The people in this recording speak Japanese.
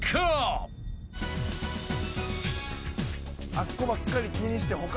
あっこばっかり気にして。